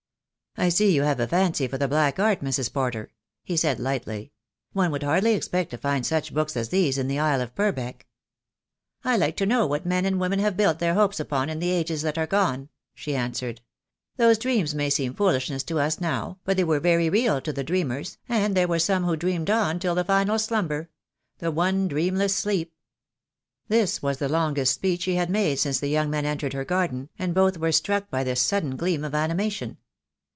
"I see you have a fancy for the black art, Mrs. Porter," he said lightly. "One would hardly expect to find such books as these in the Isle of Purbeck." "I like to know what men and women have built their hopes upon in the ages that are gone," she answered. "Those dreams may seem foolishness to us now, but they were very real to the dreamers, and there were some who dreamed on till the final slumber — the one dreamless sleep." This was the longest speech she had made since the young men entered her garden, and both were struck by this sudden gleam of animation.